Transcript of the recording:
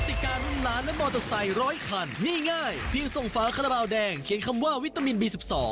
กติกันหลานและมอเตอร์ไซค์ร้อยคันง่ายเพียงทรงฟ้าคันบาวแดงเขียนคำว่าวิตามินบี๑๒